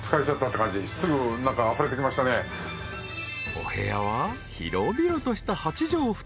［お部屋は広々とした］